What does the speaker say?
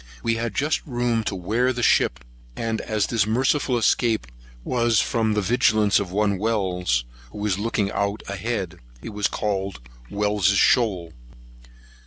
We had just room to wear ship; and as this merciful escape was from the vigilance of one Wells, who was looking out ahead, it was called Wells's Shoals.